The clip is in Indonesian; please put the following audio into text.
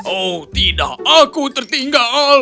oh tidak aku tertinggal